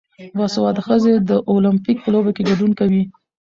باسواده ښځې د اولمپیک په لوبو کې ګډون کوي.